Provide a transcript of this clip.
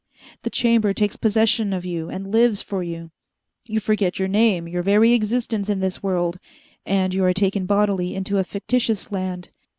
The Chamber takes possession of you and lives for you. You forget your name, your very existence in this world, and you are taken bodily into a fictitious land.